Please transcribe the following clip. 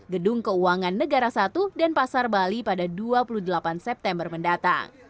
gedung keuangan negara satu dan pasar bali pada dua puluh delapan september mendatang